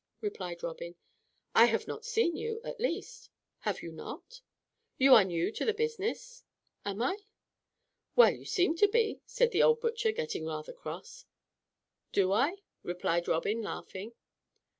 replied Robin. "I have not seen you, at least." "Have you not?" "You are new to the business?" "Am I?" "Well, you seem to be," said the old butcher, getting rather cross. "Do I?" replied Robin, laughing.